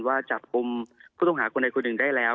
ว่าจับกลุ่มผู้ต้องหาคนใดคนหนึ่งได้แล้ว